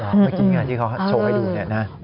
เมื่อกี้งานที่เขาโชว์ให้ดี